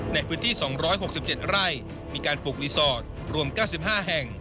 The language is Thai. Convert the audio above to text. ในพื้นที่๒๖๗ไร่มีการปลูกรีสอร์ทรวม๙๕แห่ง